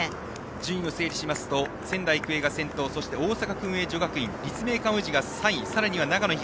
順位を整理しますと仙台育英が先頭そして大阪薫英女学院立命館宇治が３位さらには長野東。